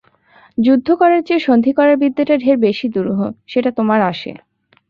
যুদ্ধ করার চেয়ে সন্ধি করার বিদ্যেটা ঢের বেশি দুরূহ– সেটা তোমার আসে।